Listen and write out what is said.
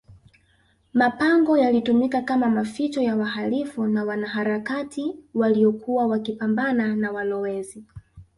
mapango yalitumika kama maficho ya wahalifu na wanaharakati waliyokuwa wakipambana na walowezi